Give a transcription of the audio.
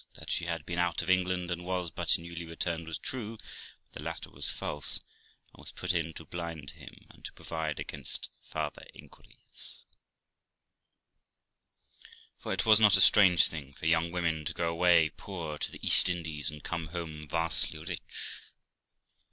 That she had been out of England, and was but newly returned, was true, but the latter was false, and was put in to blind him, and provide against farther inquiries; for it was not a strange thing for young women to go away poor to the East Indies, and come home vastly rich.